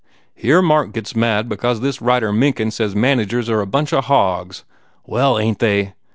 Here Mark gets mad because this writer Mencken says managers are a bunch of hogs. Well, ain t they?